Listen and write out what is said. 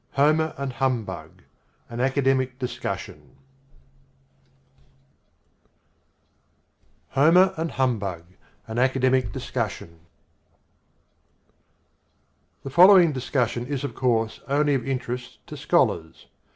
HOMER AND HUMBUG AN ACADEMIC DISCUSSION Homer and Humbug, an Academic Discussion THE following discussion is of course only of interest to scholars.